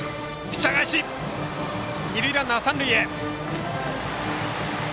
二塁ランナーは三塁へ。